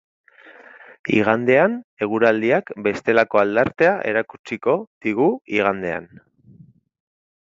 Igandean, eguraldiak bestelako aldartea erakutsiko digu igandean.